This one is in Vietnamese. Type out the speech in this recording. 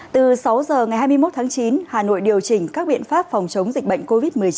từ sáu h ngày hai mươi một tháng chín hà nội điều chỉnh các biện pháp phòng chống dịch bệnh covid một mươi chín